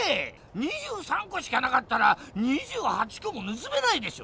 ２３こしかなかったら２８こもぬすめないでしょ！